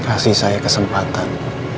kasih saya kesempatan